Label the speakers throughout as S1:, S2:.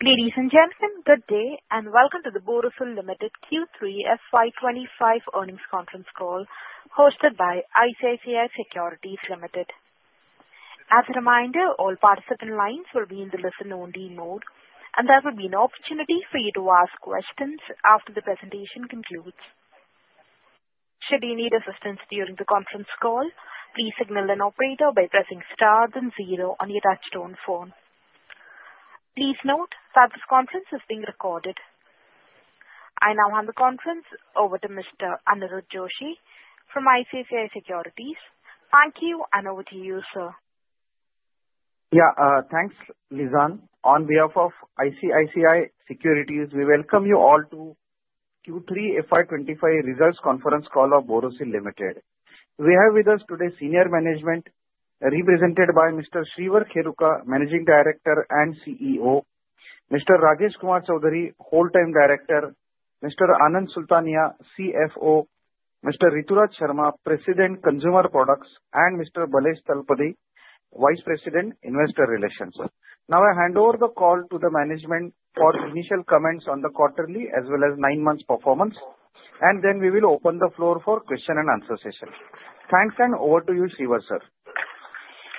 S1: Ladies and gentlemen, good day, and welcome to the Borosil Limited Q3 FY 2025 earnings conference call hosted by ICICI Securities Limited. As a reminder, all participant lines will be in the listen-only mode, and there will be no opportunity for you to ask questions after the presentation concludes. Should you need assistance during the conference call, please signal an operator by pressing star then zero on your touch-tone phone. Please note that this conference is being recorded. I now hand the conference over to Mr. Aniruddha Joshi from ICICI Securities. Thank you, and over to you, sir.
S2: Yeah, thanks, Lison. On behalf of ICICI Securities, we welcome you all to Q3 FY 2025 results conference call of Borosil Limited. We have with us today senior management represented by Mr. Shreevar Kheruka, Managing Director and CEO. Mr. Rajesh Kumar Choudhary, Whole Time Director. Mr. Anand Sultania, CFO. Mr. Rituraj Sharma, President, Consumer Products. And Mr. Balesh Talapady, Vice President, Investor Relations. Now, I hand over the call to the management for initial comments on the quarterly as well as nine months' performance, and then we will open the floor for question and answer session. Thanks, and over to you, Shreevar, sir.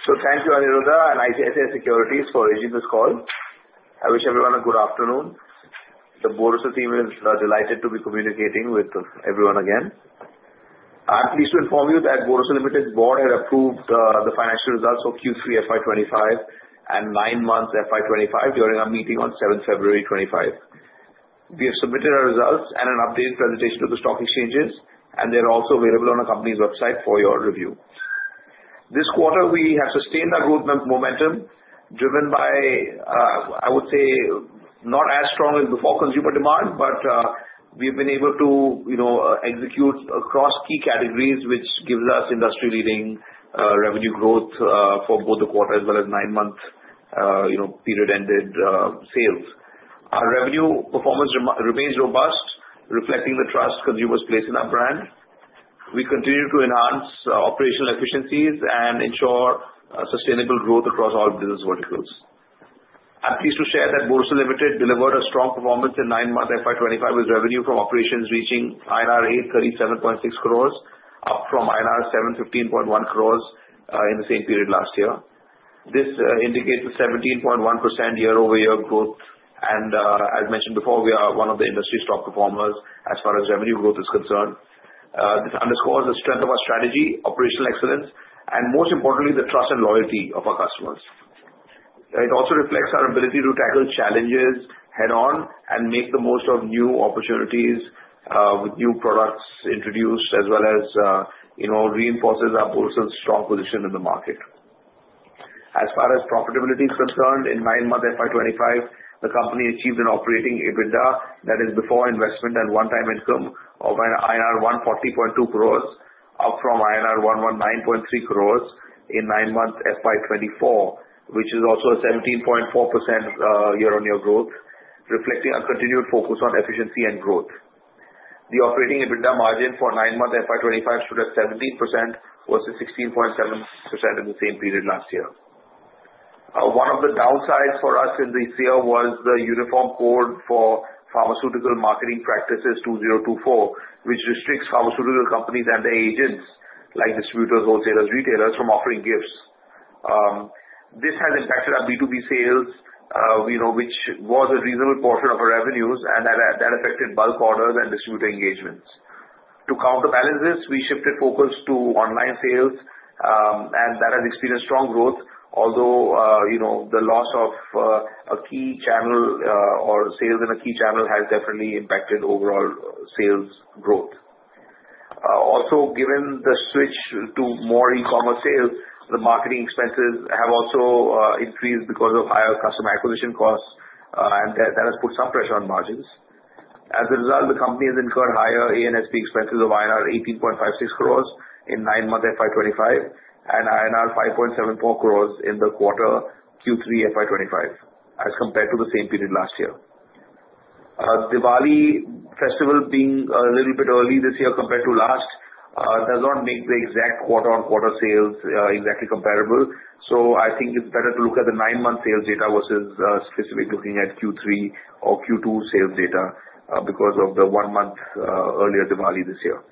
S3: So thank you, Aniruddha, and ICICI Securities for arranging this call. I wish everyone a good afternoon. The Borosil team is delighted to be communicating with everyone again. I'm pleased to inform you that Borosil Limited's board has approved the financial results for Q3 FY 2025 and nine months' FY 2025 during our meeting on 7th February 2025. We have submitted our results and an updated presentation to the stock exchanges, and they're also available on the company's website for your review. This quarter, we have sustained our growth momentum driven by, I would say, not as strong as before consumer demand, but we've been able to, you know, execute across key categories, which gives us industry-leading revenue growth for both the quarter as well as nine-month, you know, period-ended sales. Our revenue performance remains robust, reflecting the trust consumers place in our brand. We continue to enhance operational efficiencies and ensure sustainable growth across all business verticals. I'm pleased to share that Borosil Limited delivered a strong performance in nine-month FY 2025 with revenue from operations reaching INR 837.6 crores, up from INR 715.1 crores in the same period last year. This indicates a 17.1% year-over-year growth, and as mentioned before, we are one of the industry's top performers as far as revenue growth is concerned. This underscores the strength of our strategy, operational excellence, and most importantly, the trust and loyalty of our customers. It also reflects our ability to tackle challenges head-on and make the most of new opportunities, with new products introduced as well as, you know, reinforces our Borosil's strong position in the market. As far as profitability is concerned, in nine-month FY 2025, the company achieved an operating EBITDA that is before investment and one-time income of INR 140.2 crores, up from INR 119.3 crores in nine-month FY 2024, which is also a 17.4% year-on-year growth, reflecting a continued focus on efficiency and growth. The operating EBITDA margin for nine-month FY 2025 stood at 17% versus 16.7% in the same period last year. One of the downsides for us in this year was the Uniform Code for Pharmaceutical Marketing Practices 2024, which restricts pharmaceutical companies and their agents, like distributors, wholesalers, retailers, from offering gifts. This has impacted our B2B sales, you know, which was a reasonable portion of our revenues, and that affected bulk orders and distributor engagements. To counterbalance this, we shifted focus to online sales, and that has experienced strong growth, although, you know, the loss of, a key channel, or sales in a key channel has definitely impacted overall sales growth. Also, given the switch to more e-commerce sales, the marketing expenses have also increased because of higher customer acquisition costs, and that has put some pressure on margins. As a result, the company has incurred higher A&SP expenses of INR 18.56 crores in nine-month FY 2025 and INR 5.74 crores in the quarter Q3 FY 2025 as compared to the same period last year. Diwali festival being a little bit early this year compared to last does not make the exact quarter-on-quarter sales exactly comparable, so I think it's better to look at the nine-month sales data versus specifically looking at Q3 or Q2 sales data, because of the one-month earlier Diwali this year.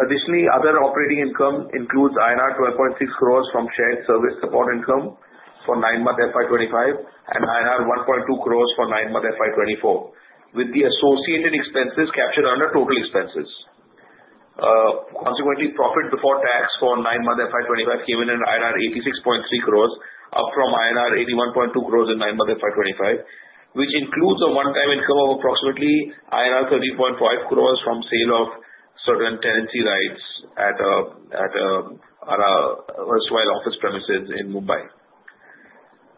S3: Additionally, other operating income includes INR 12.6 crores from shared service support income for nine-month FY 2025 and INR 1.2 crores for nine-month FY 2024, with the associated expenses captured under total expenses. Consequently, profit before tax for nine-month FY 2025 came in at 86.3 crores, up from INR 81.2 crores in nine-month FY 2024, which includes a one-time income of approximately INR 13.5 crores from sale of certain tenancy rights at Aarey Vihar office premises in Mumbai.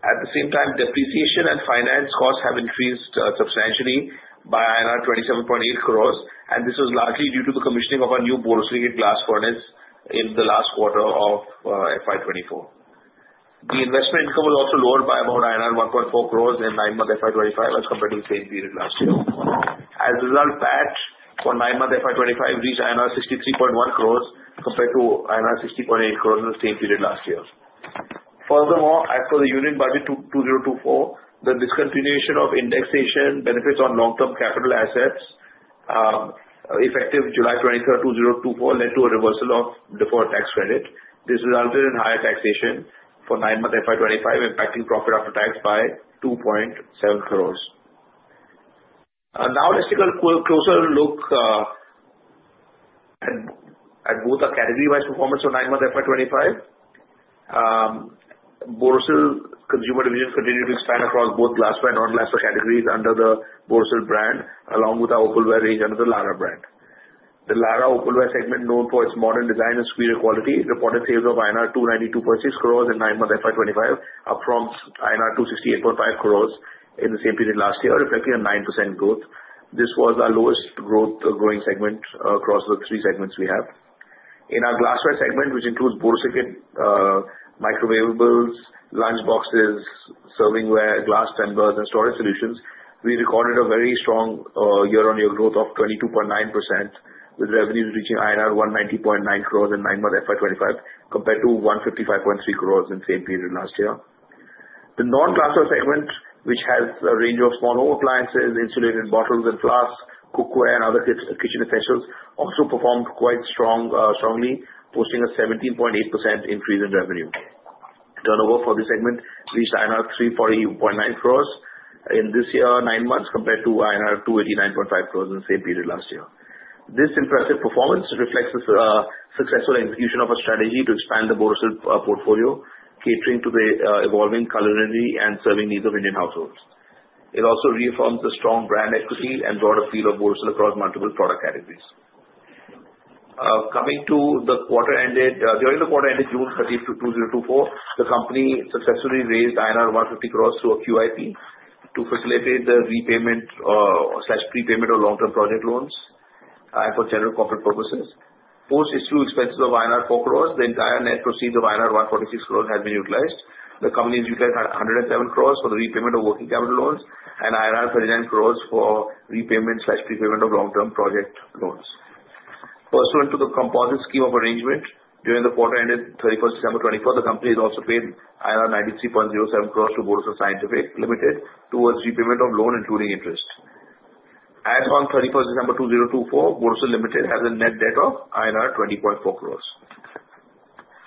S3: At the same time, depreciation and finance costs have increased substantially by 27.8 crores, and this was largely due to the commissioning of our new Borosil Glass Furnace in the last quarter of FY 2024. The investment income was also lowered by about INR 1.4 crores in nine-month FY 2025 as compared to the same period last year. As a result, PAT for nine-month FY 2025 reached INR 63.1 crores compared to INR 60.8 crores in the same period last year. Furthermore, as for the Union Budget 2024, the discontinuation of indexation benefits on long-term capital assets, effective July 23rd, 2024, led to a reversal of deferred tax credit. This resulted in higher taxation for nine-month FY 2025, impacting profit after tax by 2.7 crores. Now let's take a closer look at both our category-wise performance for nine-month FY 2025. Borosil Consumer Division continued to expand across both glassware and non-glassware categories under the Borosil brand, along with our opalware range under the Lara brand. The Lara opalware segment, known for its modern design and superior quality, reported sales of INR 292.6 crores in nine-month FY 2025, up from INR 268.5 crores in the same period last year, reflecting a 9% growth. This was our lowest growth, growing segment, across the three segments we have. In our glassware segment, which includes Borosilicate, microwavables, lunchboxes, servingware, glass tumbers, and storage solutions, we recorded a very strong, year-on-year growth of 22.9%, with revenues reaching INR 190.9 crores in nine-month FY 2025 compared to 155.3 crores in the same period last year. The non-glassware segment, which has a range of small home appliances, insulated bottles and flasks, cookware, and other kitchen essentials, also performed quite strongly, posting a 17.8% increase in revenue. Turnover for this segment reached INR 340.9 crores in this year, nine months, compared to INR 289.5 crores in the same period last year. This impressive performance reflects the successful execution of our strategy to expand the Borosil portfolio, catering to the evolving culinary and serving needs of Indian households. It also reaffirms the strong brand equity and broader feel of Borosil across multiple product categories. Coming to the quarter ended June 30, 2024, the company successfully raised INR 150 crores through a QIP to facilitate the repayment, slash prepayment of long-term project loans, for general corporate purposes. Post-issue expenses of INR 4 crores, the entire net proceeds of INR 146 crores have been utilized. The company has utilized 107 crores for the repayment of working capital loans and 39 crores for repayment/prepayment of long-term project loans. Pursuant to the composite scheme of arrangement, during the quarter ended December 31, 2024, the company has also paid 93.07 crores to Borosil Scientific Limited towards repayment of loan, including interest. As on December 31, 2024, Borosil Limited has a net debt of INR 20.4 crores.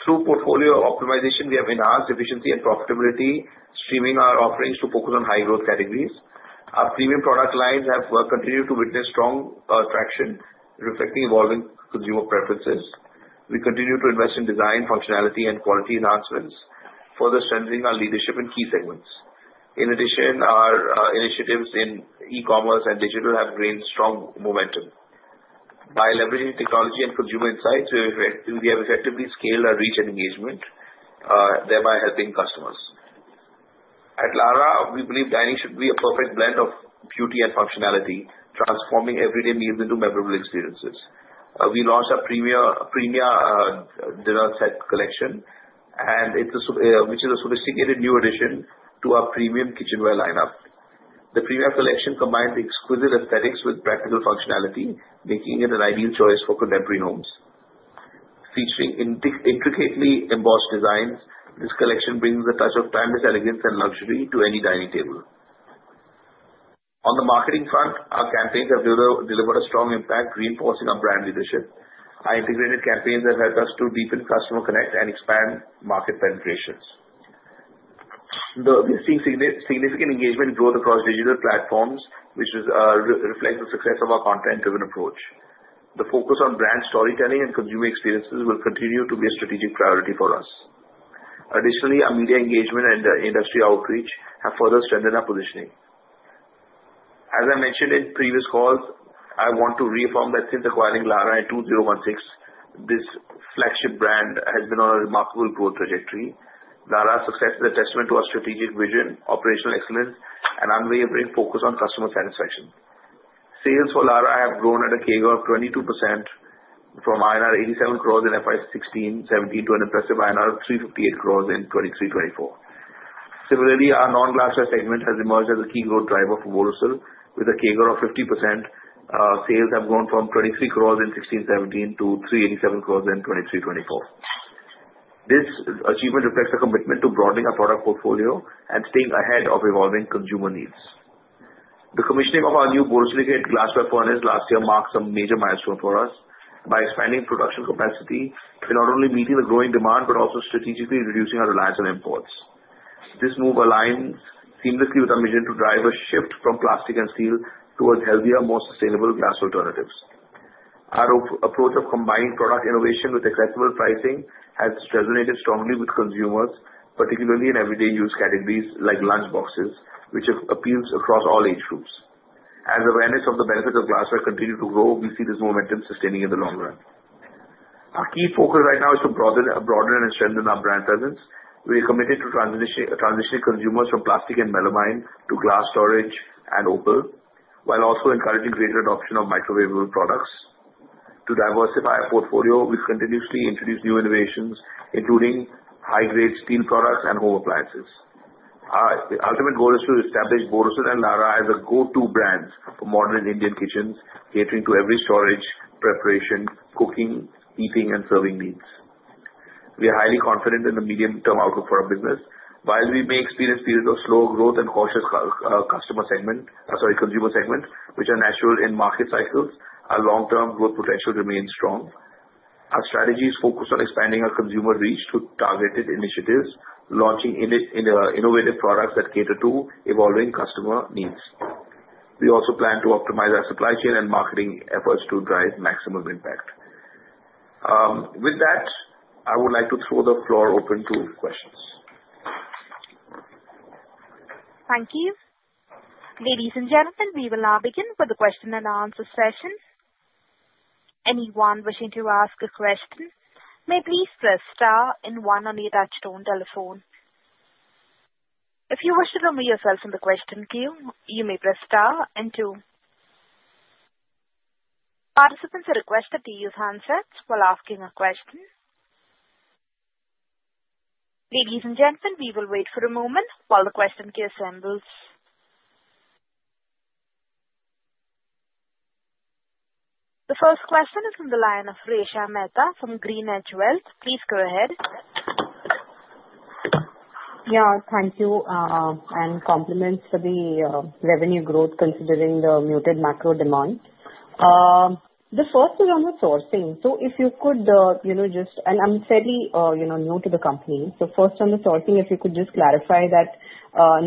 S3: Through portfolio optimization, we have enhanced efficiency and profitability, streamlining our offerings to focus on high-growth categories. Our premium product lines have continued to witness strong traction, reflecting evolving consumer preferences. We continue to invest in design, functionality, and quality enhancements, further strengthening our leadership in key segments. In addition, our initiatives in e-commerce and digital have gained strong momentum. By leveraging technology and consumer insights, we have effectively scaled our reach and engagement, thereby helping customers. At Lara, we believe dining should be a perfect blend of beauty and functionality, transforming everyday meals into memorable experiences. We launched our Premia dinner set collection, and it's a sophisticated new addition to our premium kitchenware lineup. The Premia collection combines exquisite aesthetics with practical functionality, making it an ideal choice for contemporary homes. Featuring intricately embossed designs, this collection brings a touch of timeless elegance and luxury to any dining table. On the marketing front, our campaigns have delivered a strong impact, reinforcing our brand leadership. Our integrated campaigns have helped us to deepen customer connect and expand market penetrations. We've seen significant engagement growth across digital platforms, which reflects the success of our content-driven approach. The focus on brand storytelling and consumer experiences will continue to be a strategic priority for us. Additionally, our media engagement and industry outreach have further strengthened our positioning. As I mentioned in previous calls, I want to reaffirm that since acquiring Lara in 2016, this flagship brand has been on a remarkable growth trajectory. Lara's success is a testament to our strategic vision, operational excellence, and unwavering focus on customer satisfaction. Sales for Lara have grown at a CAGR of 22% from INR 87 crores in FY 2016/17 to an impressive 358 crores INR in 2023/24. Similarly, our non-glassware segment has emerged as a key growth driver for Borosil. With a CAGR of 50%, sales have grown from 23 crores in 2016/17 to 387 crores in 2023/24. This achievement reflects a commitment to broadening our product portfolio and staying ahead of evolving consumer needs. The commissioning of our new borosilicate glassware furnace last year marked some major milestones for us. By expanding production capacity, we're not only meeting the growing demand but also strategically reducing our reliance on imports. This move aligns seamlessly with our mission to drive a shift from plastic and steel towards healthier, more sustainable glass alternatives. Our approach of combining product innovation with accessible pricing has resonated strongly with consumers, particularly in everyday use categories like lunchboxes, which have appealed across all age groups. As awareness of the benefits of glassware continues to grow, we see this momentum sustaining in the long run. Our key focus right now is to broaden and strengthen our brand presence. We are committed to transitioning consumers from plastic and melamine to glass storage and opal, while also encouraging greater adoption of microwavable products. To diversify our portfolio, we continuously introduce new innovations, including high-grade steel products and home appliances. Our ultimate goal is to establish Borosil and Lara as the go-to brands for modern Indian kitchens, catering to every storage, preparation, cooking, eating, and serving needs. We are highly confident in the medium-term outlook for our business. While we may experience periods of slow growth and cautious customer segment, sorry, consumer segment, which are natural in market cycles, our long-term growth potential remains strong. Our strategy is focused on expanding our consumer reach through targeted initiatives, launching innovative products that cater to evolving customer needs. We also plan to optimize our supply chain and marketing efforts to drive maximum impact. With that, I would like to throw the floor open to questions.
S1: Thank you. Ladies and gentlemen, we will now begin with the question and answer session. Anyone wishing to ask a question may please press star and one on the touch-tone telephone. If you wish to remove yourself in the question queue, you may press star and two. Participants are requested to use handsets while asking a question. Ladies and gentlemen, we will wait for a moment while the question queue assembles. The first question is from the line of Resha Mehta from GreenEdge Wealth. Please go ahead.
S4: Yeah, thank you, and compliments for the revenue growth considering the muted macro demand. The first is on the sourcing. So if you could, you know, just, and I'm fairly, you know, new to the company. So first on the sourcing, if you could just clarify that,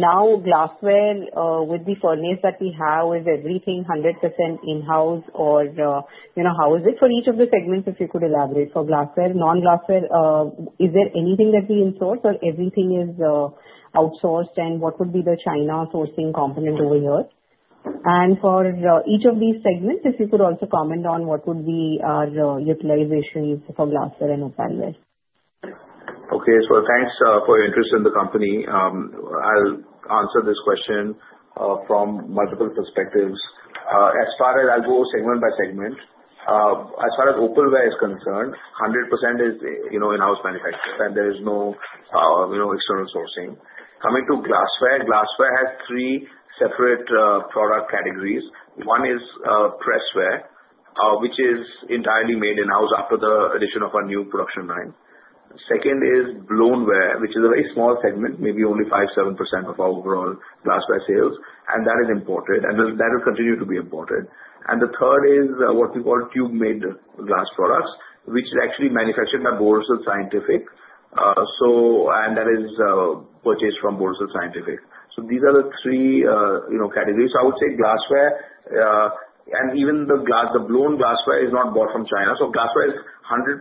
S4: now glassware, with the furnace that we have, is everything 100% in-house or, you know, how is it for each of the segments? If you could elaborate for glassware, non-glassware, is there anything that we insource or everything is outsourced? And what would be the China sourcing component over here? And for each of these segments, if you could also comment on what would be our utilizations for glassware and opalware?
S3: Okay, so thanks for your interest in the company. I'll answer this question from multiple perspectives. As far as I'll go segment by segment, as far as opalware is concerned, 100% is, you know, in-house manufactured, and there is no, you know, external sourcing. Coming to glassware, glassware has three separate product categories. One is pressware, which is entirely made in-house after the addition of our new production line. Second is blownware, which is a very small segment, maybe only 5-7% of our overall glassware sales, and that is imported, and that will continue to be imported. And the third is what we call tube-made glass products, which is actually manufactured by Borosil Scientific. So, and that is purchased from Borosil Scientific. So these are the three, you know, categories. So I would say glassware, and even the glass, the blown glassware is not bought from China. So glassware is 100%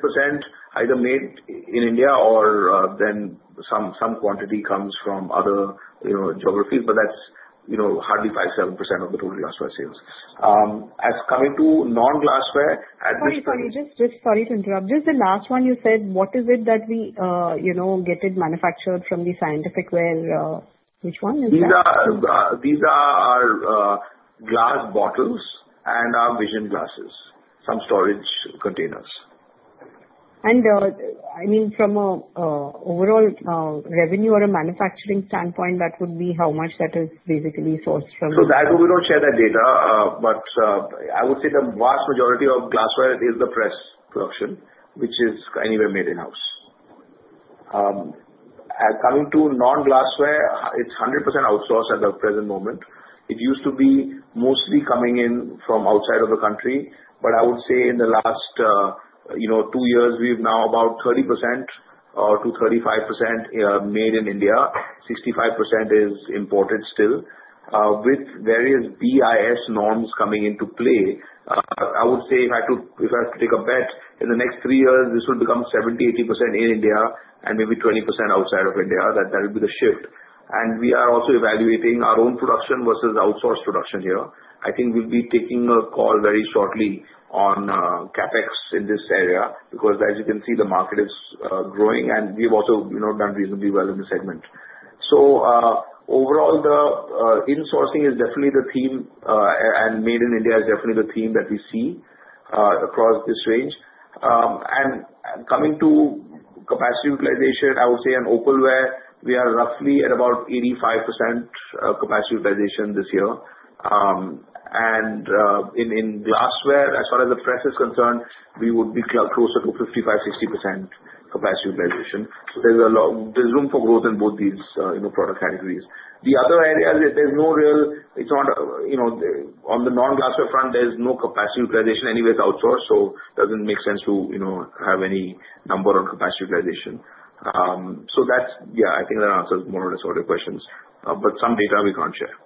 S3: either made in India or then some quantity comes from other, you know, geographies, but that's, you know, hardly 5%-7% of the total glassware sales. As coming to non-glassware at this point.
S4: Sorry, sorry, just, just sorry to interrupt. Just the last one you said, what is it that we, you know, get it manufactured from Borosil Scientific? Which one is that?
S3: These are our glass bottles and our Vision glasses, some storage containers.
S4: And I mean, from an overall revenue or a manufacturing standpoint, that would be how much that is basically sourced from?
S3: So that, we don't share that data, but I would say the vast majority of glassware is the pressware production, which is entirely made in-house. As coming to non-glassware, it's 100% outsourced at the present moment. It used to be mostly coming in from outside of the country, but I would say in the last, you know, two years, we've now about 30% to 35% made in India. 65% is imported still. With various BIS norms coming into play, I would say if I had to take a bet, in the next three years, this will become 70-80% in India and maybe 20% outside of India. That'll be the shift. And we are also evaluating our own production versus outsourced production here. I think we'll be taking a call very shortly on CapEx in this area because, as you can see, the market is growing, and we've also, you know, done reasonably well in the segment. So, overall, the insourcing is definitely the theme, and made in India is definitely the theme that we see across this range. And coming to capacity utilization, I would say on opalware, we are roughly at about 85% capacity utilization this year. In glassware, as far as the pressware is concerned, we would be closer to 55%-60% capacity utilization. So there's a lot of room for growth in both these, you know, product categories. The other areas, there's no real, it's not, you know, on the non-glassware front, there's no capacity utilization anyways outsourced, so it doesn't make sense to, you know, have any number on capacity utilization. That's, yeah, I think that answers more or less all your questions, but some data we can't share.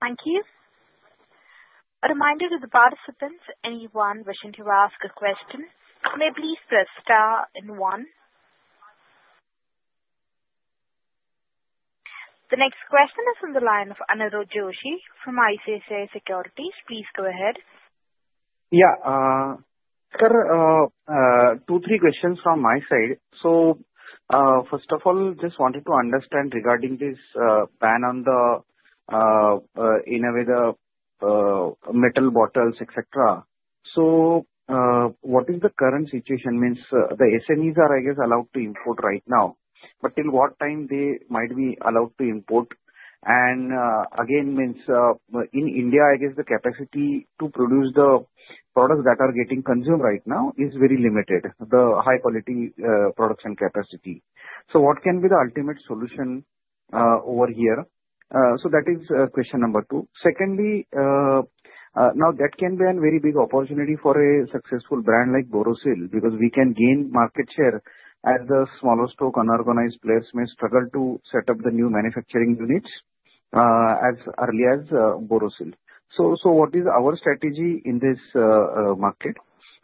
S1: Thank you. A reminder to the participants, anyone wishing to ask a question, may please press star and one. The next question is from the line of Aniruddha Joshi from ICICI Securities. Please go ahead.
S2: Yeah, sir, two, three questions from my side. So, first of all, just wanted to understand regarding this ban on the innovative metal bottles, etc. So, what is the current situation? Means, the SMEs are, I guess, allowed to import right now, but till what time they might be allowed to import? And, again, means, in India, I guess the capacity to produce the products that are getting consumed right now is very limited, the high-quality production capacity. So what can be the ultimate solution over here? So that is question number two. Secondly, now that can be a very big opportunity for a successful brand like Borosil because we can gain market share as smaller stock unorganized players may struggle to set up the new manufacturing units as early as Borosil. So what is our strategy in this market?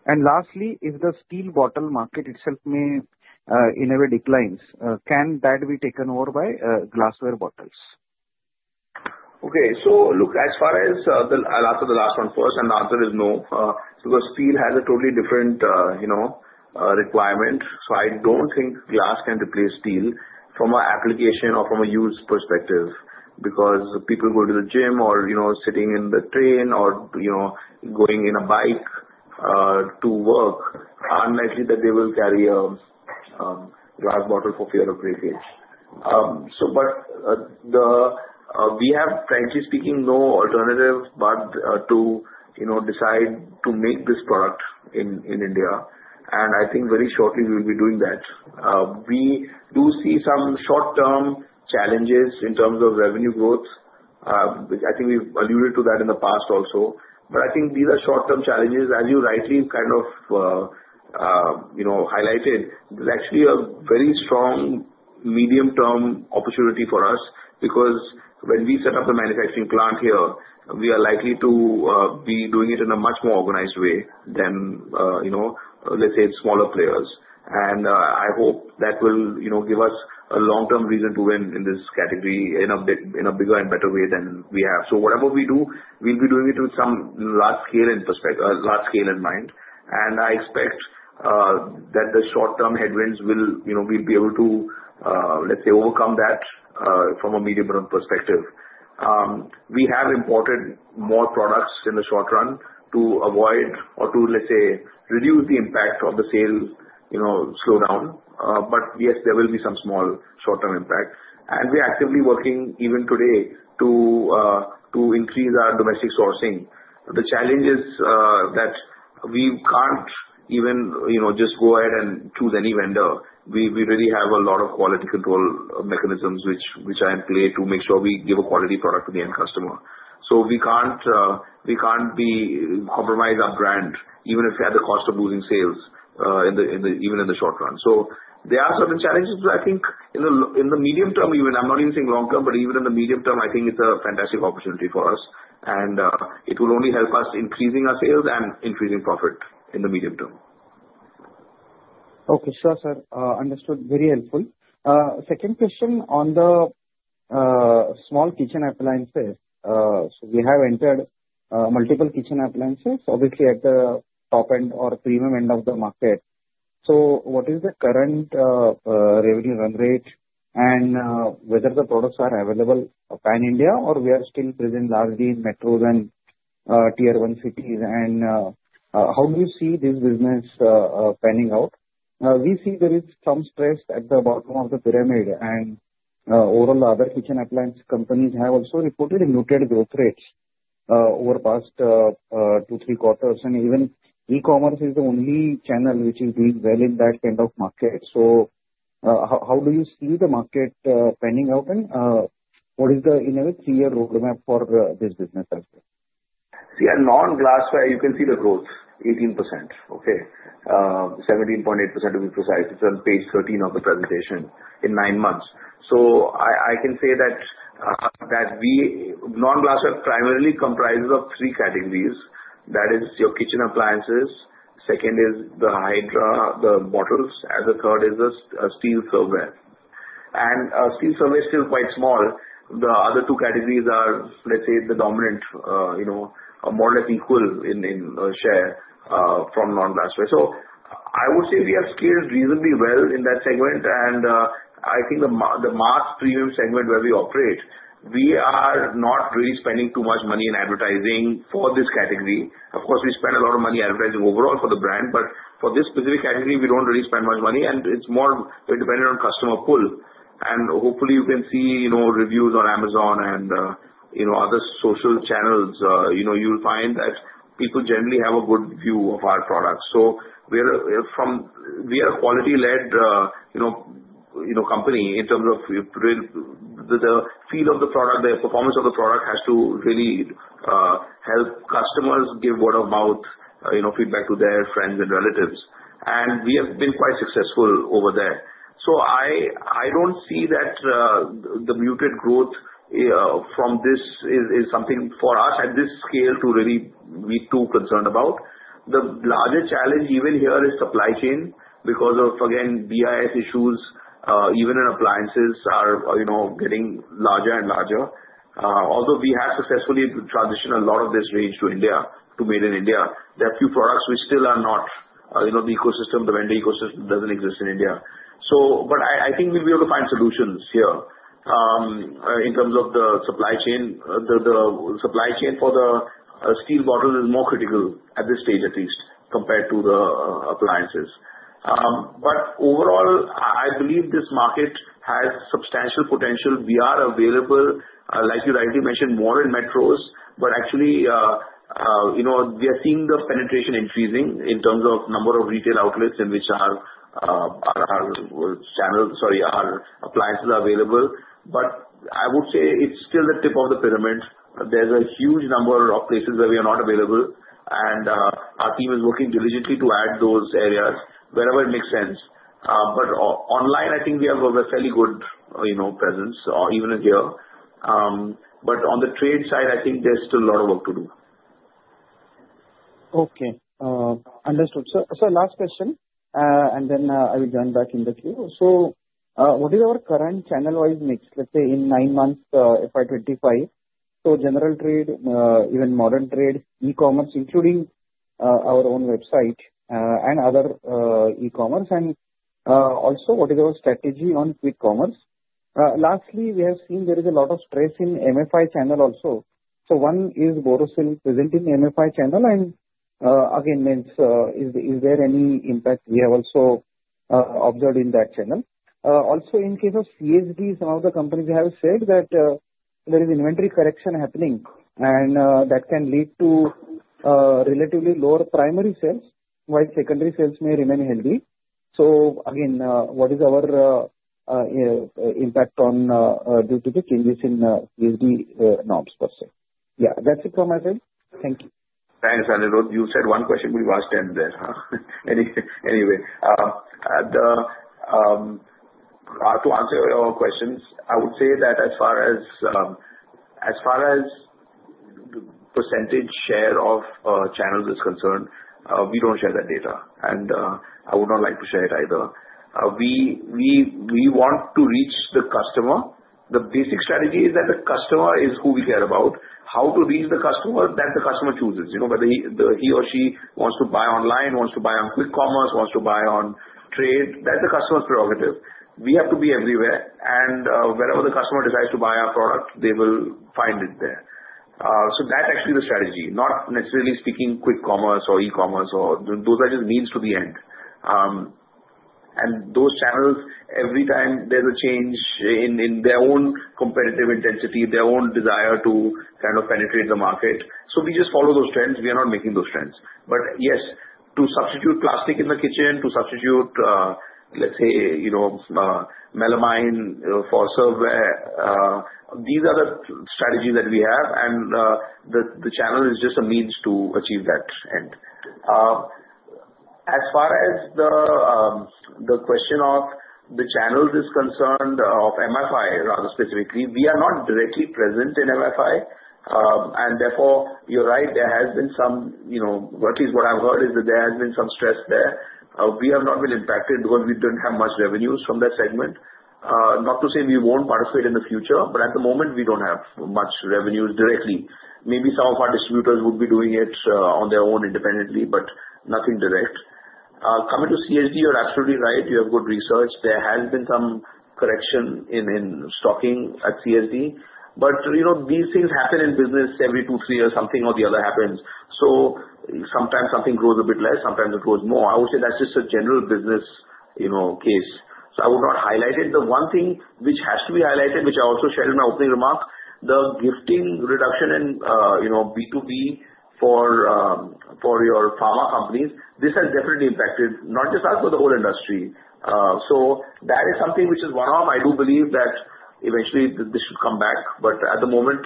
S2: And lastly, if the steel bottle market itself may, in a way, decline, can that be taken over by glassware bottles?
S3: Okay, so look, as far as the, I'll answer the last one first, and the answer is no, because steel has a totally different, you know, requirement. So I don't think glass can replace steel from an application or from a use perspective because people go to the gym or, you know, sitting in the train or, you know, going in a bike, to work, unlikely that they will carry a glass bottle for fear of breakage. So, but the, we have, frankly speaking, no alternative but to, you know, decide to make this product in India, and I think very shortly we'll be doing that. We do see some short-term challenges in terms of revenue growth. I think we've alluded to that in the past also, but I think these are short-term challenges. As you rightly kind of you know highlighted, there's actually a very strong medium-term opportunity for us because when we set up the manufacturing plant here, we are likely to be doing it in a much more organized way than you know let's say smaller players. And I hope that will you know give us a long-term reason to win in this category in a big in a bigger and better way than we have. So whatever we do, we'll be doing it with some large-scale in perspective, large-scale in mind. And I expect that the short-term headwinds will you know we'll be able to let's say overcome that from a medium-term perspective. We have imported more products in the short run to avoid or to, let's say, reduce the impact of the sales, you know, slowdown, but yes, there will be some small short-term impact, and we're actively working even today to increase our domestic sourcing. The challenge is that we can't even, you know, just go ahead and choose any vendor. We really have a lot of quality control mechanisms which are in play to make sure we give a quality product to the end customer. So we can't compromise our brand, even if we have the cost of losing sales, even in the short run. So there are certain challenges that I think in the medium-term even. I'm not even saying long-term, but even in the medium-term, I think it's a fantastic opportunity for us. And it will only help us increasing our sales and increasing profit in the medium-term.
S2: Okay, sure, sir. Understood. Very helpful. Second question on the small kitchen appliances. So we have entered multiple kitchen appliances, obviously at the top end or premium end of the market. So what is the current revenue run rate and whether the products are available pan-India or we are still present largely in metros and tier-one cities? And how do you see this business panning out? We see there is some stress at the bottom of the pyramid, and overall, other kitchen appliance companies have also reported muted growth rates over past two, three quarters. And even e-commerce is the only channel which is doing well in that kind of market. So how do you see the market panning out? And what is the, in a way, three-year roadmap for this business as well?
S3: See, on non-glassware, you can see the growth, 18%. Okay, 17.8% to be precise. It's on page 13 of the presentation in nine months. So I can say that we non-glassware primarily comprises of three categories. That is your kitchen appliances. Second is the Hydra, the bottles. And the third is the steel serveware. And steel serveware is still quite small. The other two categories are, let's say, the dominant, you know, more or less equal in share from non-glassware. So I would say we have scaled reasonably well in that segment. And I think the mass premium segment where we operate, we are not really spending too much money in advertising for this category. Of course, we spend a lot of money advertising overall for the brand, but for this specific category, we don't really spend much money. It's more dependent on customer pull. Hopefully, you can see, you know, reviews on Amazon and, you know, other social channels. You know, you'll find that people generally have a good view of our products. So we are a quality-led, you know, you know, company in terms of, you know, the feel of the product, the performance of the product has to really help customers give word-of-mouth, you know, feedback to their friends and relatives. We have been quite successful over there. So I don't see that the muted growth from this is something for us at this scale to really be too concerned about. The larger challenge even here is supply chain because of, again, BIS issues. Even in appliances are, you know, getting larger and larger. Although we have successfully transitioned a lot of this range to India, to made in India, there are a few products which still are not, you know, the ecosystem, the vendor ecosystem doesn't exist in India. So, but I think we'll be able to find solutions here. In terms of the supply chain, the supply chain for the steel bottle is more critical at this stage, at least, compared to the appliances. But overall, I believe this market has substantial potential. We are available, like you rightly mentioned, more in metros, but actually, you know, we are seeing the penetration increasing in terms of number of retail outlets in which our appliances are available. But I would say it's still the tip of the pyramid. There's a huge number of places where we are not available. Our team is working diligently to add those areas wherever it makes sense. Online, I think we have a fairly good, you know, presence, even here. On the trade side, I think there's still a lot of work to do.
S2: Okay, understood. Last question, and then I will join back in the queue. What is our current channel-wise mix, let's say in nine months, FY 2025? General trade, even modern trade, e-commerce, including our own website, and other e-commerce. Also, what is our strategy on quick commerce? Lastly, we have seen there is a lot of stress in MFI channel also. One is Borosil present in the MFI channel. And again, I mean, is there any impact we have also observed in that channel? Also, in case of CSD, some of the companies have said that there is inventory correction happening, and that can lead to relatively lower primary sales, while secondary sales may remain healthy. So again, what is our impact due to the changes in CSD norms per se? Yeah, that's it from my side. Thank you.
S3: Thanks, Aniruddha Joshi. You said one question will last end there, huh? Anyway, to answer your questions, I would say that as far as the percentage share of channels is concerned, we don't share that data. And I would not like to share it either. We want to reach the customer. The basic strategy is that the customer is who we care about. How to reach the customer that the customer chooses, you know, whether he or she wants to buy online, wants to buy on quick commerce, wants to buy on trade. That's the customer's prerogative. We have to be everywhere, and wherever the customer decides to buy our product, they will find it there, so that's actually the strategy, not necessarily speaking quick commerce or e-commerce or those are just means to the end, and those channels, every time there's a change in their own competitive intensity, their own desire to kind of penetrate the market, so we just follow those trends. We are not making those trends, but yes, to substitute plastic in the kitchen, to substitute, let's say, you know, melamine for serveware, these are the strategies that we have, and the channel is just a means to achieve that end. As far as the question of the channels is concerned, of MFI, rather specifically, we are not directly present in MFI. And therefore, you're right, there has been some, you know, at least what I've heard is that there has been some stress there. We have not been impacted because we didn't have much revenues from that segment. Not to say we won't participate in the future, but at the moment, we don't have much revenues directly. Maybe some of our distributors would be doing it, on their own independently, but nothing direct. Coming to CSD, you're absolutely right. You have good research. There has been some correction in stocking at CSD. But, you know, these things happen in business every two, three years, something or the other happens. So sometimes something grows a bit less, sometimes it grows more. I would say that's just a general business, you know, case, so I would not highlight it. The one thing which has to be highlighted, which I also shared in my opening remark, the gifting reduction in, you know, B2B for your pharma companies, this has definitely impacted not just us but the whole industry. That is something which is one of. I do believe that eventually this should come back. But at the moment,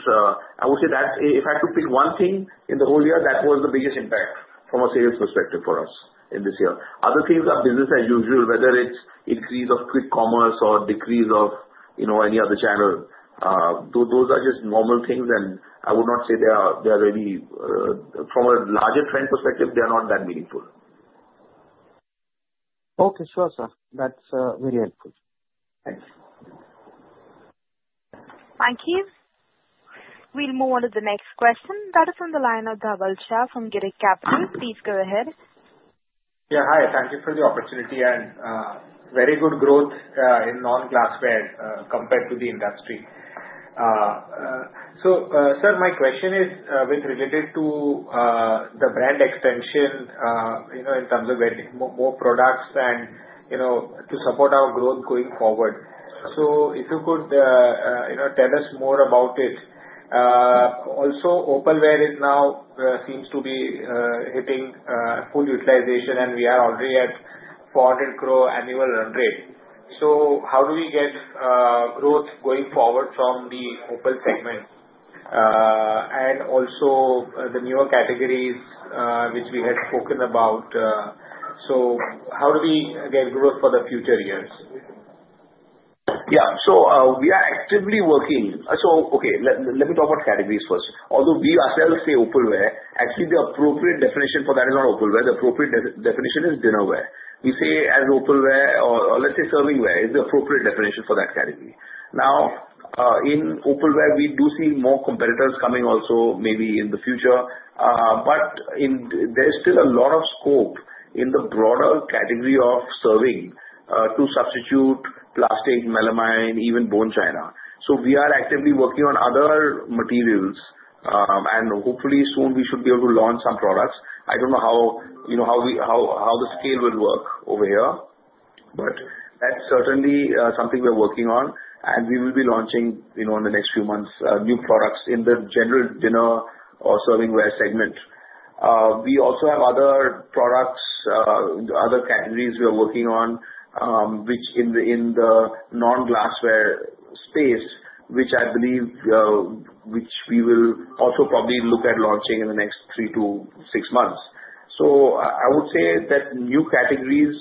S3: I would say that if I had to pick one thing in the whole year, that was the biggest impact from a sales perspective for us in this year. Other things are business as usual, whether it's increase of quick commerce or decrease of, you know, any other channel. Those are just normal things. I would not say they are. They are really, from a larger trend perspective, not that meaningful.
S2: Okay, sure, sir. That's very helpful. Thank you.
S1: Thank you. We'll move on to the next question. That is from the line of Dhaval Shah from Girik Capital. Please go ahead.
S5: Yeah, hi. Thank you for the opportunity. Very good growth in non-glassware, compared to the industry. So, sir, my question is with regard to the brand extension, you know, in terms of getting more products and, you know, to support our growth going forward. If you could, you know, tell us more about it. Also, opalware now seems to be hitting full utilization, and we are already at 400 crore annual run rate. So how do we get growth going forward from the Opal segment, and also the newer categories, which we had spoken about? So how do we get growth for the future years?
S3: Yeah, so, we are actively working. So, okay, let me talk about categories first. Although we ourselves say opalware, actually the appropriate definition for that is not opalware. The appropriate definition is dinnerware. We say as opalware or let's say servingware is the appropriate definition for that category. Now, in opalware, we do see more competitors coming also maybe in the future. But there is still a lot of scope in the broader category of servingware to substitute plastic, melamine, even bone china. So we are actively working on other materials, and hopefully soon we should be able to launch some products. I don't know how, you know, how the scale will work over here, but that's certainly something we're working on. We will be launching, you know, in the next few months, new products in the general dinner or servingware segment. We also have other products, other categories we are working on, which in the non-glassware space, which I believe we will also probably look at launching in the next three to six months. I would say that new categories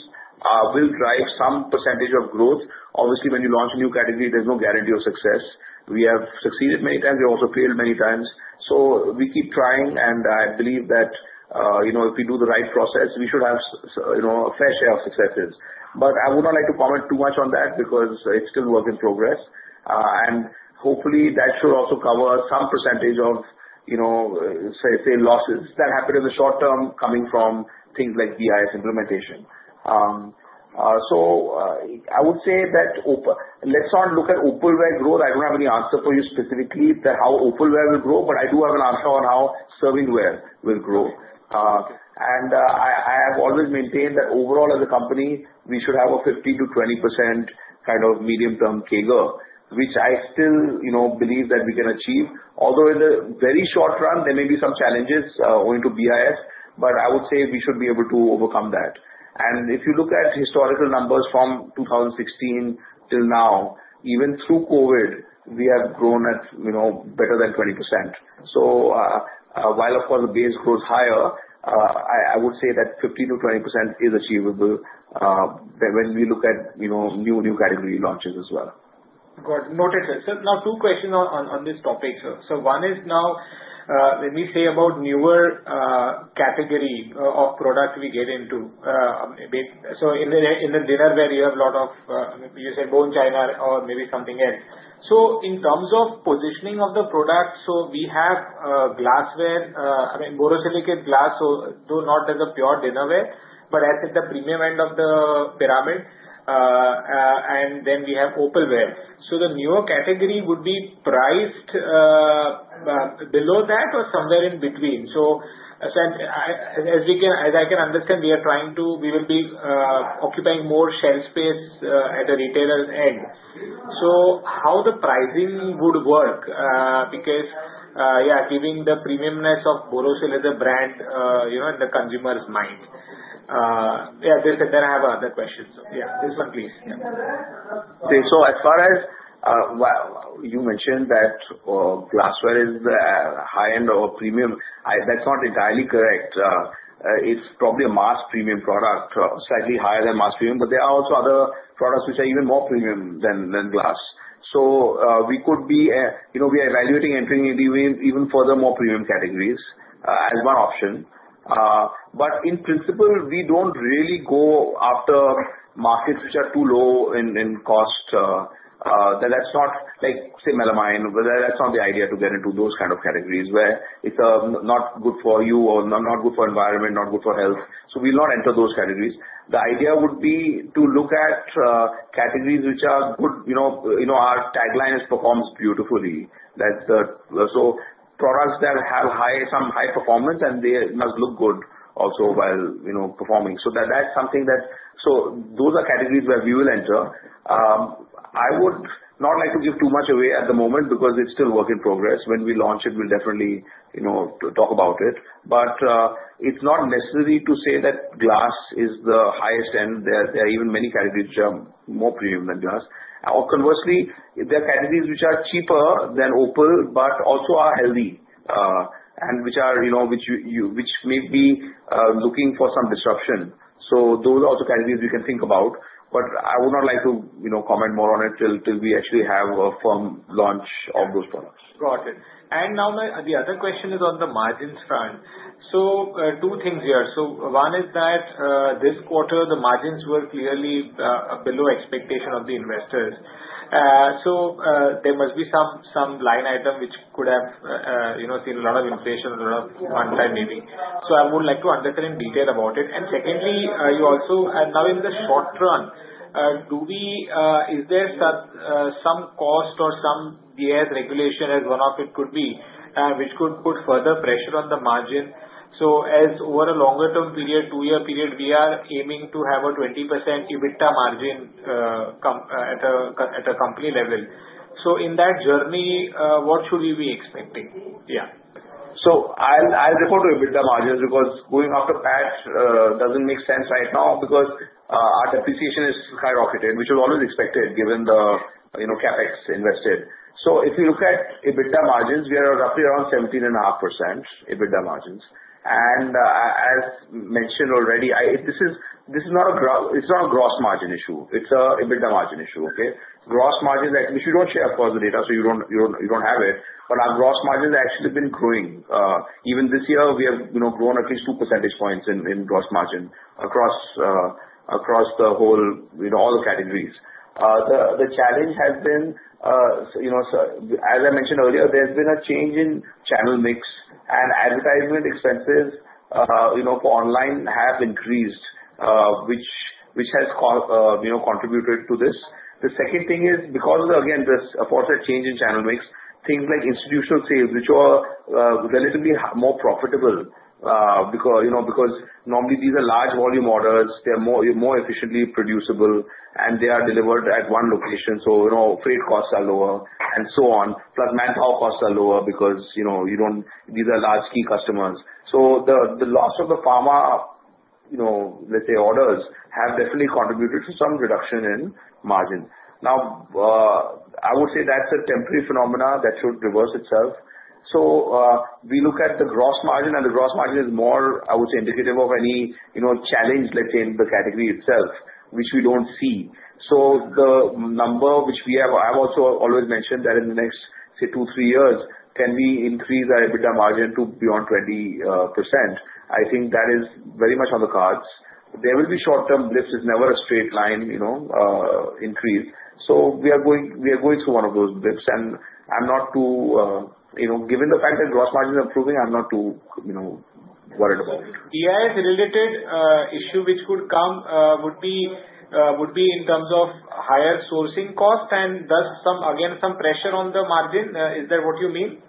S3: will drive some percentage of growth. Obviously, when you launch a new category, there's no guarantee of success. We have succeeded many times. We have also failed many times. We keep trying. I believe that, you know, if we do the right process, we should have, you know, a fair share of successes. But I would not like to comment too much on that because it's still work in progress. And hopefully that should also cover some percentage of, you know, say losses that happened in the short term coming from things like BIS implementation. So I would say that opalware, let's not look at opalware growth. I don't have any answer for you specifically that how opalware will grow, but I do have an answer on how servingware will grow. And I have always maintained that overall as a company, we should have a 15%-20% kind of medium-term CAGR, which I still, you know, believe that we can achieve. Although in the very short run, there may be some challenges, owing to BIS, but I would say we should be able to overcome that. And if you look at historical numbers from 2016 till now, even through COVID, we have grown at, you know, better than 20%. So, while of course the base grows higher, I would say that 15%-20% is achievable, when we look at, you know, new category launches as well.
S5: Got it. Noted. Sir, now two questions on this topic, sir. So one is now, when we say about newer category of product we get into, I mean, so in the dinnerware, you have a lot of, you said bone china or maybe something else. So in terms of positioning of the product, so we have glassware, I mean, borosilicate glass, so though not as a pure dinnerware, but at the premium end of the pyramid, and then we have opalware. So the newer category would be priced below that or somewhere in between. So as I can understand, we will be occupying more shelf space at the retailer end. How the pricing would work, because, yeah, giving the premiumness of Borosil as a brand, you know, in the consumer's mind. Yeah, there I have other questions. Yeah, this one please.
S3: Okay, so as far as what you mentioned that glassware is the high end or premium, that's not entirely correct. It's probably a mass premium product, slightly higher than mass premium, but there are also other products which are even more premium than glass. We could be, you know, we are evaluating entering into even further more premium categories, as one option. In principle, we don't really go after markets which are too low in cost. That's not like, say, melamine. That's not the idea to get into those kind of categories where it's not good for you or not good for environment, not good for health. So we'll not enter those categories. The idea would be to look at categories which are good, you know, our tagline is performs beautifully. That's the, so products that have high, some high performance and they must look good also while, you know, performing. So that, that's something that, so those are categories where we will enter. I would not like to give too much away at the moment because it's still work in progress. When we launch it, we'll definitely, you know, talk about it. But it's not necessary to say that glass is the highest end. There are even many categories which are more premium than glass. Or conversely, there are categories which are cheaper than Opal, but also are healthy, and which are, you know, which you may be looking for some disruption, so those are also categories we can think about. But I would not like to, you know, comment more on it till we actually have a firm launch of those products.
S5: Got it. And now the other question is on the margins front, so two things here, so one is that, this quarter, the margins were clearly below expectation of the investors, so there must be some line item which could have, you know, seen a lot of inflation, a lot of one time maybe, so I would like to understand in detail about it. Second, in the short run, is there some cost or some BIS regulation as one of it could be, which could put further pressure on the margin? Over a longer-term period, two-year period, we are aiming to have a 20% EBITDA margin at a company level. In that journey, what should we be expecting?
S3: Yeah. I'll refer to EBITDA margins because going after PAT doesn't make sense right now because our depreciation has skyrocketed, which is always expected given the CapEx invested. If you look at EBITDA margins, we are roughly around 17.5% EBITDA margins. As mentioned already, this is not a gross margin issue. It's an EBITDA margin issue, okay? Gross margins, which we don't share of course the data, so you don't have it. But our gross margins have actually been growing. Even this year, we have, you know, grown at least two percentage points in gross margin across the whole, you know, all the categories. The challenge has been, you know, so, as I mentioned earlier, there's been a change in channel mix and advertisement expenses, you know, for online have increased, which has caused, you know, contributed to this. The second thing is because of the, again, this forced a change in channel mix, things like institutional sales, which are relatively more profitable, because, you know, normally these are large volume orders. They're more efficiently producible, and they are delivered at one location. So, you know, freight costs are lower and so on. Plus manpower costs are lower because, you know, you don't, these are large key customers. So the, the loss of the pharma, you know, let's say orders have definitely contributed to some reduction in margin. Now, I would say that's a temporary phenomena that should reverse itself. So, we look at the gross margin, and the gross margin is more, I would say, indicative of any, you know, challenge, let's say, in the category itself, which we don't see. So the number which we have, I've also always mentioned that in the next, say, two, three years, can we increase our EBITDA margin to beyond 20%? I think that is very much on the cards. There will be short-term blips. It's never a straight line, you know, increase. So we are going, we are going through one of those blips. I'm not too, you know, given the fact that gross margin is improving, I'm not too, you know, worried about it.
S5: BIS-related issue which could come would be in terms of higher sourcing cost and thus some pressure on the margin. Is that what you mean?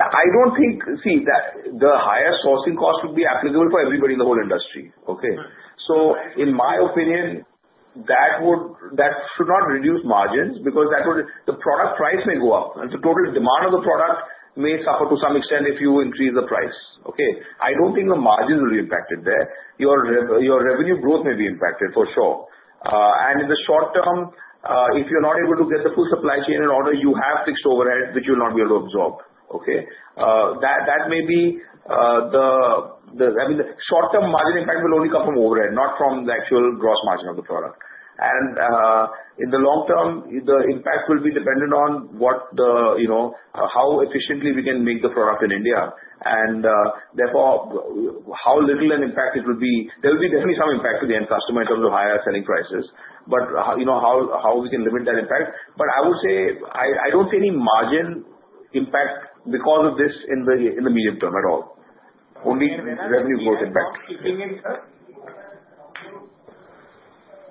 S3: I don't think, see, that the higher sourcing cost would be applicable for everybody in the whole industry, okay? So in my opinion, that would, that should not reduce margins because the product price may go up and the total demand of the product may suffer to some extent if you increase the price, okay? I don't think the margins will be impacted there. Your revenue growth may be impacted for sure. And in the short term, if you're not able to get the full supply chain in order, you have fixed overhead, which you'll not be able to absorb, okay? That may be, I mean, the short-term margin impact will only come from overhead, not from the actual gross margin of the product. In the long term, the impact will be dependent on what, you know, how efficiently we can make the product in India. And therefore, how little an impact it will be. There will be definitely some impact to the end customer in terms of higher selling prices. But you know, how we can limit that impact. But I would say, I don't see any margin impact because of this in the medium term at all. Only revenue growth impact.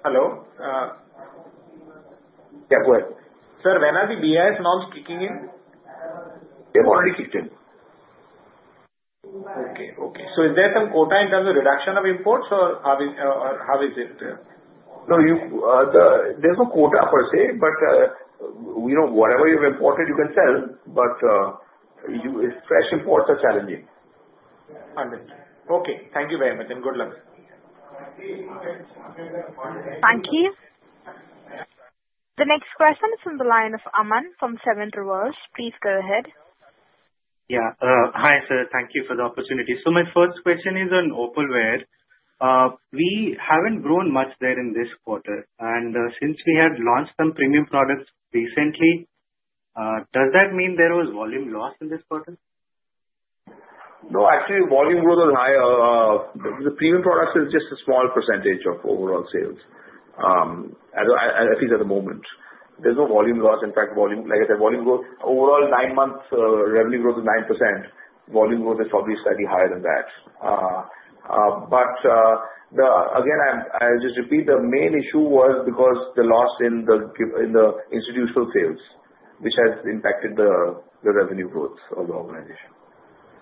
S3: Hello? Yeah, go ahead.
S5: Sir, when are the BIS norms kicking in?
S3: They've already kicked in.
S5: Okay, okay. So is there some quota in terms of reduction of imports or how is, or how is it?
S3: No, there's no quota per se, but, you know, whatever you've imported, you can sell. But fresh imports are challenging.
S5: Understood. Okay. Thank you very much and good luck.
S1: Thank you. The next question is on the line of Aman from Svan Investment Managers. Please go ahead. Yeah. Hi, sir. Thank you for the opportunity. So my first question is on opalware. We haven't grown much there in this quarter, and since we have launched some premium products recently, does that mean there was volume loss in this quarter?
S3: No, actually volume growth is higher. The premium products is just a small percentage of overall sales, at least at the moment. There's no volume loss. In fact, volume, like I said, volume growth overall nine months, revenue growth is 9%. Volume growth is probably slightly higher than that. But the, again, I'll just repeat, the main issue was because the loss in the institutional sales, which has impacted the revenue growth of the organization.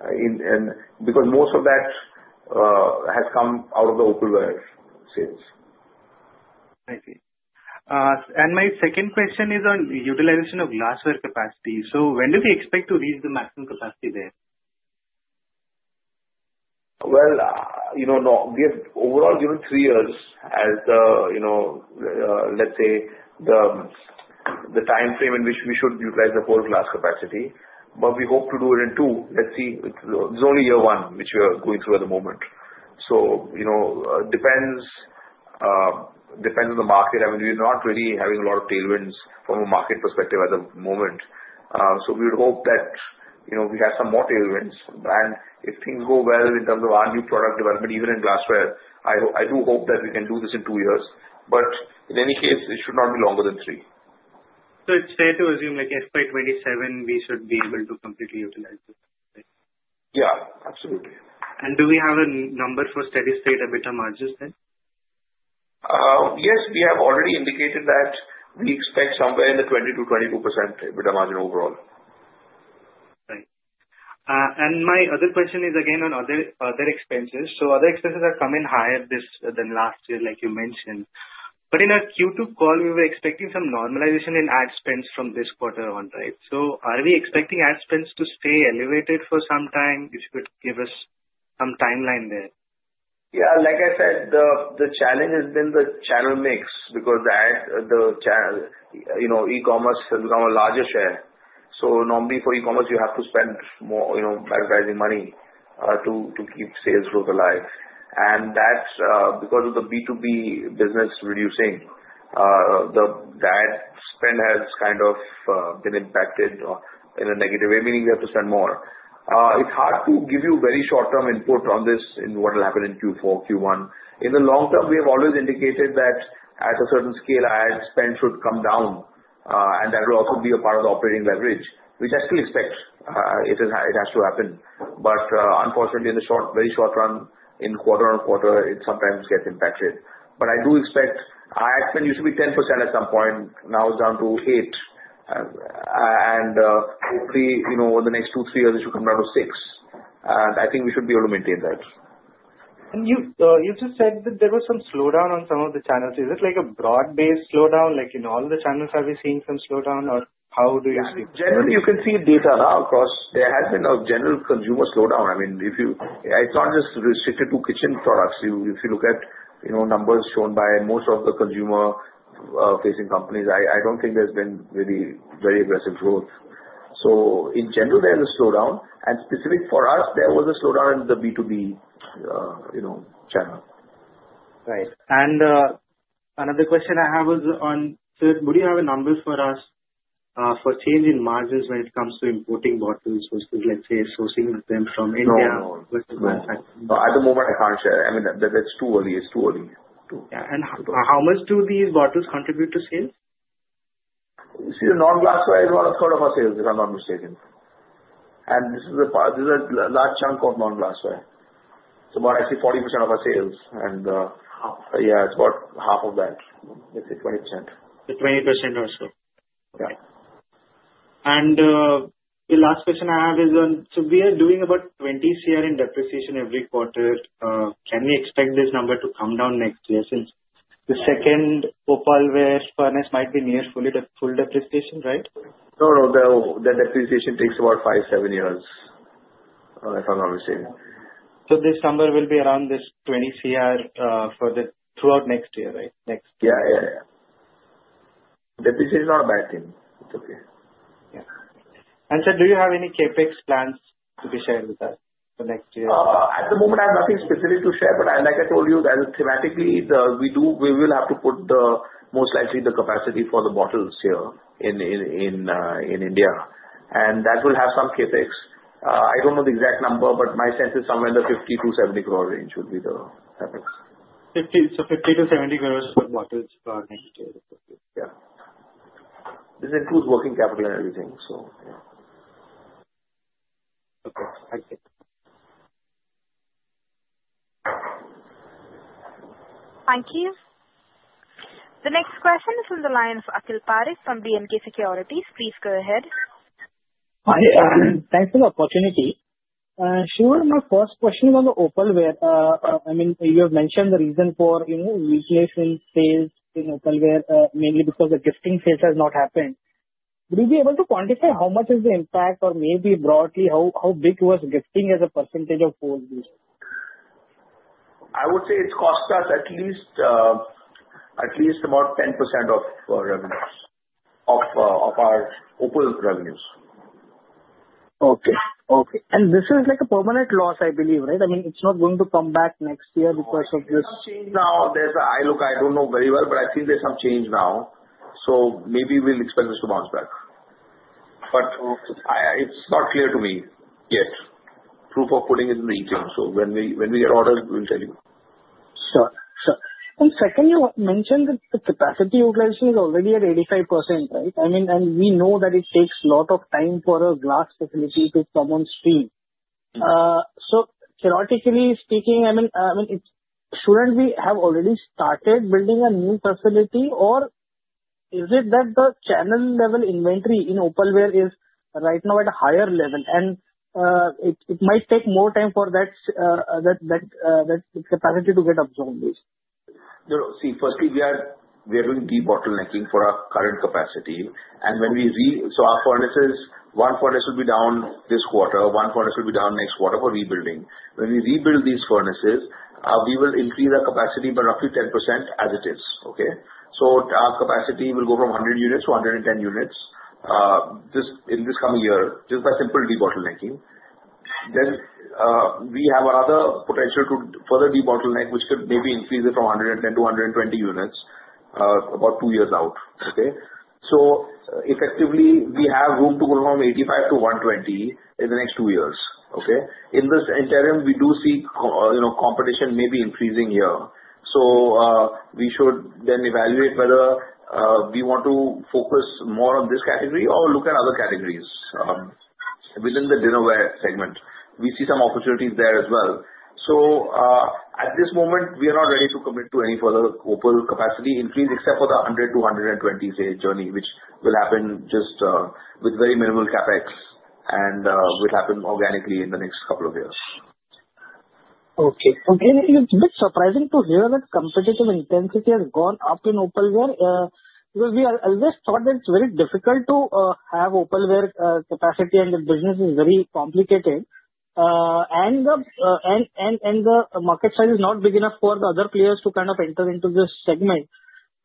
S3: And because most of that has come out of the opalware sales. I see. My second question is on utilization of glassware capacity. So when do we expect to reach the maximum capacity there? Well, you know, no, we have overall given three years as the, you know, let's say the time frame in which we should utilize the whole glass capacity. But we hope to do it in two. Let's see. It's only year one which we are going through at the moment. So, you know, depends on the market. I mean, we are not really having a lot of tailwinds from a market perspective at the moment. So we would hope that, you know, we have some more tailwinds. And if things go well in terms of our new product development, even in glassware, I hope, I do hope that we can do this in two years. But in any case, it should not be longer than three. So it's fair to assume like FY 2027 we should be able to completely utilize this, right? Yeah, absolutely. And do we have a number for steady-state EBITDA margins then? Yes, we have already indicated that we expect somewhere in the 20%-22% EBITDA margin overall. Right. And my other question is again on other expenses. So other expenses are coming higher this than last year, like you mentioned. But in our Q2 call, we were expecting some normalization in ad spends from this quarter on, right? So are we expecting ad spends to stay elevated for some time? If you could give us some timeline there. Yeah, like I said, the challenge has been the channel mix because the ad channel, you know, e-commerce has become a larger share. So normally for e-commerce, you have to spend more, you know, advertising money to keep sales growth alive. And that, because of the B2B business reducing, the ad spend has kind of been impacted in a negative way, meaning we have to spend more. It's hard to give you very short-term input on this in what will happen in Q4, Q1. In the long term, we have always indicated that at a certain scale, ad spend should come down, and that will also be a part of the operating leverage, which I still expect. It is. It has to happen. But, unfortunately, in the short, very short run, in quarter on quarter, it sometimes gets impacted. But I do expect our ad spend used to be 10% at some point. Now it's down to 8%. And, hopefully, you know, over the next two, three years, it should come down to 6%. I think we should be able to maintain that. And you, you just said that there was some slowdown on some of the channels. Is it like a broad-based slowdown? Like in all the channels, have we seen some slowdown or how do you see? Yeah, generally you can see data now across. There has been a general consumer slowdown. I mean, if you, it's not just restricted to kitchen products. If you look at, you know, numbers shown by most of the consumer-facing companies, I don't think there's been really very aggressive growth. So in general, there's a slowdown. And specific for us, there was a slowdown in the B2B, you know, channel. Right. And, another question I have was on, so would you have a numbers for us, for change in margins when it comes to importing bottles versus, let's say, sourcing them from India? No, no, no. At the moment, I can't share. I mean, that's too early. It's too early. Yeah. And how much do these bottles contribute to sales? You see, the non-glassware is one third of our sales, if I'm not mistaken. And this is a, these are a large chunk of non-glassware. It's about, I see, 40% of our sales. Yeah, it's about half of that. Let's say 20%. So 20% or so. Yeah. The last question I have is on, so we are doing about 20 crore in depreciation every quarter. Can we expect this number to come down next year since the second opalware furnace might be near fully to full depreciation, right? No, no. The, the depreciation takes about five, seven years, if I'm not mistaken. So this number will be around this 20 crore, for the throughout next year, right? Next year. Yeah, yeah, yeah. Depreciation is not a bad thing. It's okay. Yeah. Sir, do you have any CapEx plans to be shared with us for next year? At the moment, I have nothing specific to share. But like I told you, as thematically, we will have to put the most likely the capacity for the bottles here in India. And that will have some CapEx. I don't know the exact number, but my sense is somewhere in the 50-70 crore range would be the CapEx. 50, so 50-70 crores for bottles for next year. Yeah. This includes working capital and everything, so yeah.
S1: The next question is on the line of Akhil Parekh from B&K Securities. Please go ahead.
S6: Hi, thanks for the opportunity. Sure. My first question is on the opalware. I mean, you have mentioned the reason for, you know, weakness in sales in opalware, mainly because the gifting phase has not happened. Would you be able to quantify how much is the impact or maybe broadly, how, how big was gifting as a percentage of all these?
S3: I would say it's cost us at least, at least about 10% of revenues of our Opal revenues.
S6: Okay, okay. And this is like a permanent loss, I believe, right? I mean, it's not going to come back next year because of this?
S3: There's some change now. There's a, I look, I don't know very well, but I think there's some change now. So maybe we'll expect this to bounce back. But I, it's not clear to me yet. Prior to putting it in the EBITDA. So when we, when we get orders, we'll tell you.
S6: Sure, sure. And sir, can you mention that the capacity utilization is already at 85%, right? I mean, and we know that it takes a lot of time for a glass facility to come on stream. So theoretically speaking, I mean, shouldn't we have already started building a new facility or is it that the channel level inventory in opalware is right now at a higher level and it might take more time for that capacity to get absorbed?
S3: No, no. See, firstly, we are doing debottlenecking for our current capacity. And when we re, so our furnace is, one furnace will be down this quarter, one furnace will be down next quarter for rebuilding. When we rebuild these furnaces, we will increase our capacity by roughly 10% as it is, okay? So our capacity will go from 100 units to 110 units in this coming year, just by simple de-bottlenecking. Then, we have another potential to further de-bottleneck, which could maybe increase it from 110-120 units, about two years out, okay? So effectively, we have room to go from 85-120 in the next two years, okay? In this interim, we do see, you know, competition maybe increasing here. So, we should then evaluate whether we want to focus more on this category or look at other categories within the dinnerware segment. We see some opportunities there as well. So, at this moment, we are not ready to commit to any further opalware capacity increase except for the 100-120 sales journey, which will happen just with very minimal CapEx and will happen organically in the next couple of years.
S6: Okay. Okay. It's a bit surprising to hear that competitive intensity has gone up in opalware. because we always thought that it's very difficult to have opalware capacity and the business is very complicated, and the market size is not big enough for the other players to kind of enter into this segment.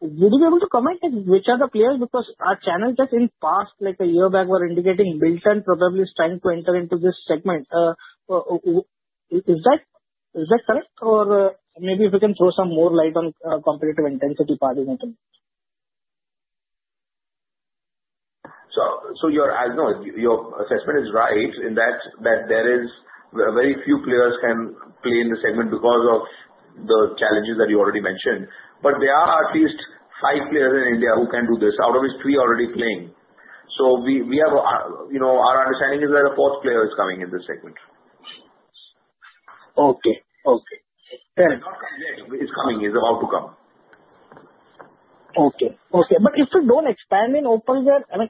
S6: Would you be able to comment on which are the players? Because our channels just in past, like a year back, were indicating Milton probably is trying to enter into this segment. Is that correct? Or maybe if we can throw some more light on competitive intensity part in it.
S3: So, as you know, your assessment is right in that there is very few players can play in the segment because of the challenges that you already mentioned. But there are at least five players in India who can do this. Out of these, three are already playing. So we have, you know, our understanding is that a fourth player is coming in this segment.
S6: Okay, okay. Fair enough.
S3: It's coming. It's about to come.
S6: Okay, okay. But if we don't expand in opalware, I mean,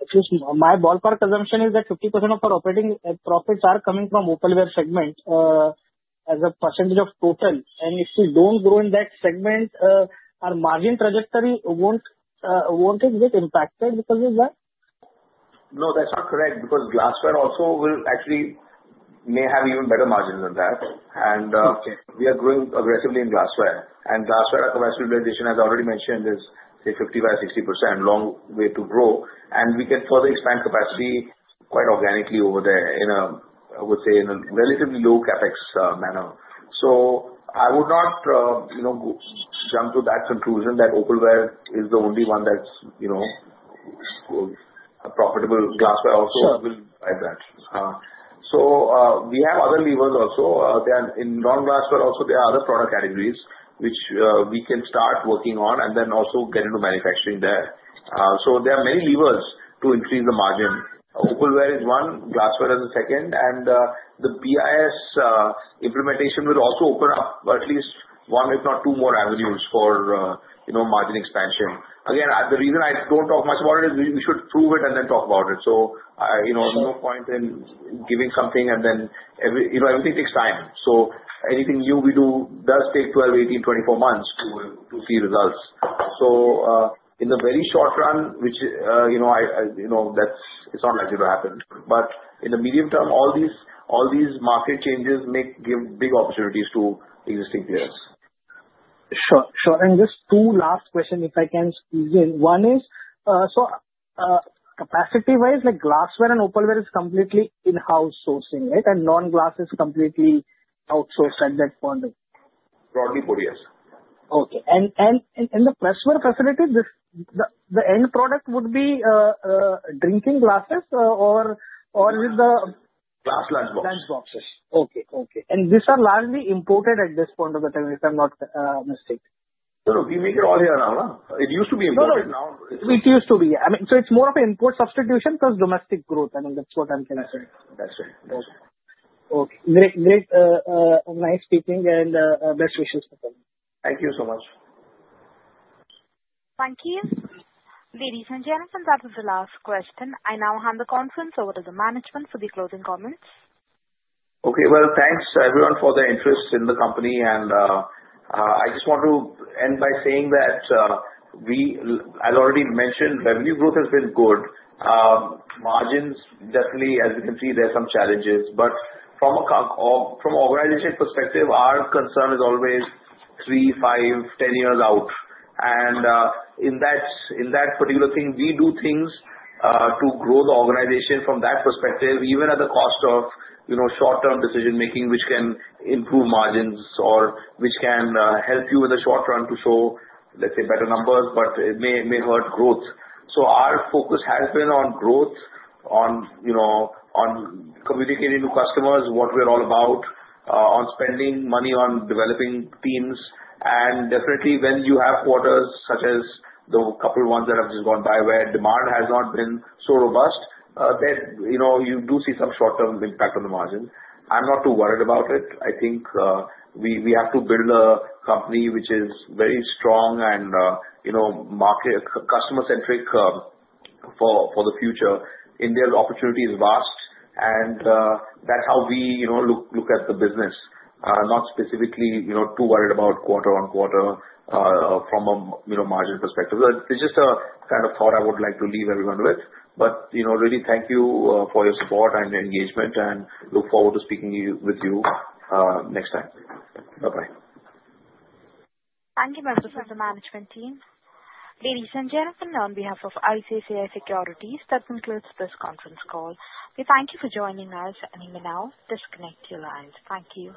S6: excuse me, my ballpark assumption is that 50% of our operating profits are coming from opalware segment, as a percentage of total. And if we don't grow in that segment, our margin trajectory won't get impacted because of that?
S3: No, that's not correct. Because glassware also will actually may have even better margins than that. And we are growing aggressively in glassware. And glassware capacity utilization, as I already mentioned, is, say, 55%-60%, long way to grow. And we can further expand capacity quite organically over there, I would say, in a relatively low CapEx manner. So, I would not, you know, go jump to that conclusion that opalware is the only one that's, you know, a profitable glassware also will drive that, so we have other levers also. There are, in non-glassware also, other product categories which we can start working on and then also get into manufacturing there, so there are many levers to increase the margin. opalware is one, glassware is the second, and the BIS implementation will also open up at least one, if not two more avenues for, you know, margin expansion. Again, the reason I don't talk much about it is we should prove it and then talk about it. So, you know, no point in giving something and then every, you know, everything takes time, so anything new we do does take 12, 18, 24 months to see results. So, in the very short run, which you know I you know that's it's not likely to happen. But in the medium term, all these market changes may give big opportunities to existing players.
S6: Sure. And just two last questions, if I can squeeze in. One is, so capacity-wise, like glassware and opalware is completely in-house sourcing, right? And non-glass is completely outsourced at that point?
S3: Broadly put, yes.
S6: Okay. And in the pressware facility, the end product would be drinking glasses or is it the glass lunch boxes.
S3: Lunch boxes.
S6: Okay. And these are largely imported at this point of the time, if I'm not mistaken.
S3: No. We make it all here now,
S6: huh? It used to be imported now. I mean, so it's more of an import substitution plus domestic growth. I mean, that's what I'm hearing.
S3: That's right. That's right.
S6: Okay. Okay. Great, great. Nice speaking and, best wishes for you.
S3: Thank you so much.
S1: Thank you. Ladies and gentlemen, that was the last question. I now hand the conference over to the management for the closing comments.
S3: Okay. Well, thanks everyone for the interest in the company, and I just want to end by saying that, we, I already mentioned revenue growth has been good. Margins definitely, as we can see, there are some challenges, but from an organization perspective, our concern is always three, five, ten years out. In that particular thing, we do things to grow the organization from that perspective, even at the cost of, you know, short-term decision-making, which can improve margins or which can help you in the short run to show, let's say, better numbers, but it may hurt growth. Our focus has been on growth, you know, on communicating to customers what we're all about, on spending money on developing teams. Definitely, when you have quarters such as the couple ones that have just gone by where demand has not been so robust, you know, you do see some short-term impact on the margin. I'm not too worried about it. I think we have to build a company which is very strong and, you know, market customer-centric for the future. India's opportunity is vast. That's how we, you know, look at the business, not specifically, you know, too worried about quarter on quarter, from a, you know, margin perspective. It's just a kind of thought I would like to leave everyone with. You know, really thank you for your support and engagement and look forward to speaking with you next time. Bye-bye.
S1: Thank you from the management team. Ladies and gentlemen, on behalf of ICICI Securities, that concludes this conference call. We thank you for joining us. Now, disconnect your lines. Thank you.